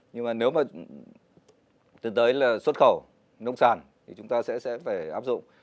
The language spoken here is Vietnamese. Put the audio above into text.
nhưng mà nếu mà tiến tới là xuất khẩu nông sản thì chúng ta sẽ phải áp dụng